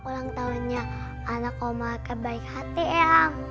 ulang tahunnya anak om mal kebaik hati eyang